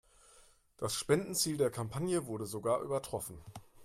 Das Spendenziel der Kampagne wurde sogar übertroffen.